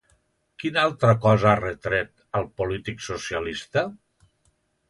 Quina altra cosa ha retret al polític socialista?